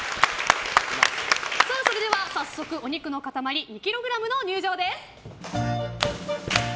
それでは早速、お肉の塊２ｋｇの入場です。